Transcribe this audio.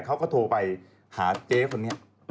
เขาก็โทรไปหาเจ๊คนนี้